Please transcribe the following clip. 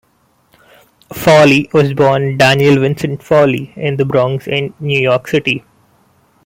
Fowley was born Daniel Vincent Fowley in The Bronx in New York City.